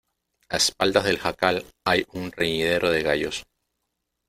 a espaldas del jacal hay un reñidero de gallos.